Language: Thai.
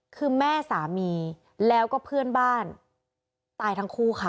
คือแม่สามีแล้วก็เพื่อนบ้านตายทั้งคู่ค่ะ